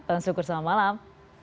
bang sukur selamat malam